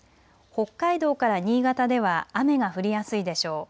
北海道から新潟では雨が降りやすいでしょう。